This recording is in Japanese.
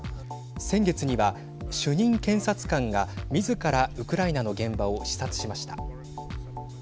先月には、主任検察官がみずから、ウクライナの現場を視察しました。